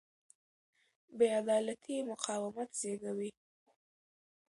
بې عدالتي مقاومت زېږوي